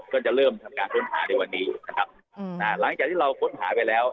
ก็จะเริ่มทำการค้นหาในวันนี้นะครับหลังจากที่เราค้นหาไปแล้ว